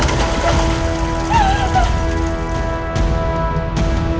udah jalanannya sepi